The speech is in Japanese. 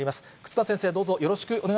忽那先生、どうぞよろしくお願い